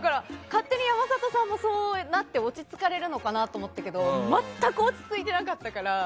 勝手に山里さんも、そうなって落ち着かれるのかなって思ったけど全く落ち着いてなかったから。